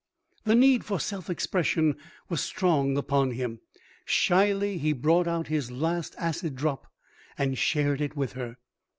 The need for self expression was strong upon him. Shyly he brought out his last acid drop and shared it with her.